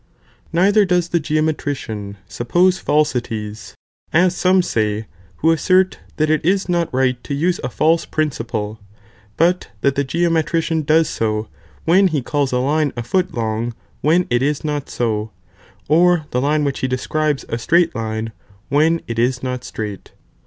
Neither does L the geometrician suppose falsities, as some say, who assert, that it is not right to use a false (principle), but that the geometrician does so, when he calls a line a foot long when it is not so, or the line which he describes a straight lino when it is not straight.